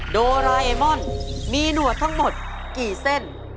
โดราเอมอนมีหนวดทั้งหมดกี่เส้น